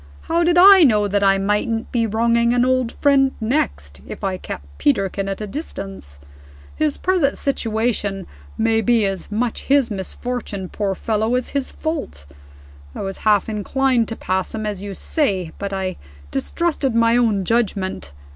How did I know that I mightn't be wronging an old friend next, if I kept Peterkin at a distance? His present position may be as much his misfortune, poor fellow, as his fault. I was half inclined to pass him, as you say but I distrusted my own judgment.